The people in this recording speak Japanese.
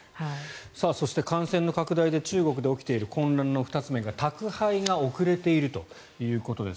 そして、感染の拡大で中国で起きている混乱の２つ目が宅配が遅れているということです。